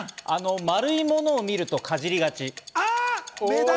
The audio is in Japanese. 丸いものを見るとかじりがち。